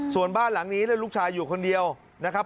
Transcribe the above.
ส่วนบ้านหลังนี้ลูกชายอยู่คนเดียวนะครับ